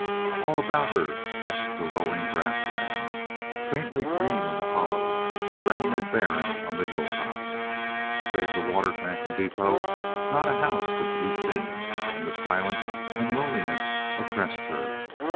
All about her stretched the rolling grass land, faintly green in the hollows, brownly barren on the hilltops. Save the water tank and depot, not a house was to be seen, and the silence and loneliness oppressed her.